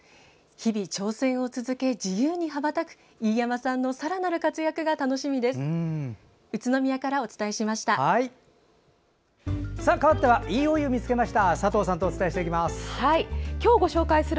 日々、挑戦を続け自由に羽ばたく飯山さんのさらなる活躍が楽しみです。